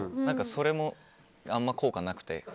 それもあんま効果なくて。